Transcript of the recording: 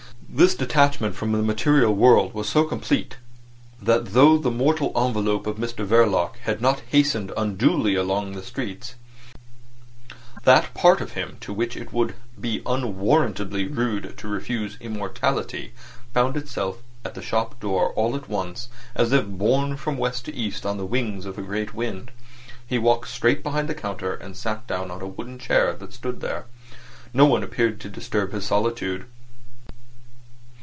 This detachment from the material world was so complete that, though the mortal envelope of Mr Verloc had not hastened unduly along the streets, that part of him to which it would be unwarrantably rude to refuse immortality, found itself at the shop door all at once, as if borne from west to east on the wings of a great wind. He walked straight behind the counter, and sat down on a wooden chair that stood there. No one appeared to disturb his solitude.